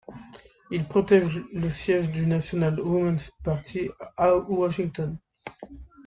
Il protège le siège du National Woman's Party, à Washington.